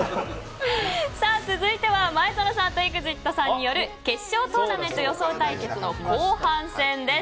続いては前園さんとＥＸＩＴさんによる決勝トーナメント予想対決の後半戦です。